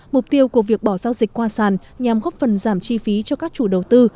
mục tiêu của việc bỏ giao dịch qua sàn nhằm góp phần giảm chi phí cho các chủ đầu tư